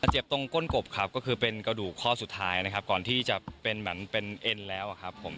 เจ็บตรงก้นกบครับก็คือเป็นกระดูกข้อสุดท้ายนะครับก่อนที่จะเป็นเหมือนเป็นเอ็นแล้วอะครับผม